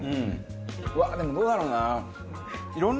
うわーでもどうだろうな？